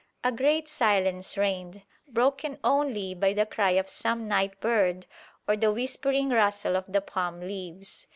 A great silence reigned, broken only by the cry of some night bird or the whispering rustle of the palm leaves.